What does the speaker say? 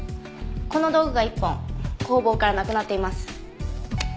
この道具が１本工房からなくなっています。